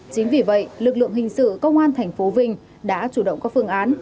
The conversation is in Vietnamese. chính vì vậy lực lượng hình sự công an tp vinh đã chủ động các phương án